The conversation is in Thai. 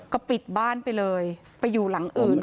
ก็ปิดบ้านไปเลยไปอยู่หลังอื่น